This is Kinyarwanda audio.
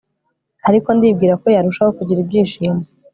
ariko ndibwira ko yarushaho kugira ibyishimo